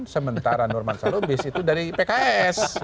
sementara nurman salubis itu dari pks